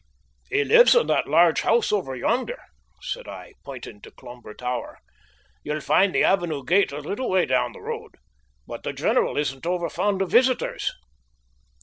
"He lives in that large house over yonder," said I, pointing to Cloomber Tower. "You'll find the avenue gate a little way down the road, but the general isn't over fond of visitors."